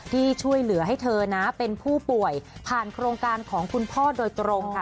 ที่ช่วยเหลือให้เธอนะเป็นผู้ป่วยผ่านโครงการของคุณพ่อโดยตรงค่ะ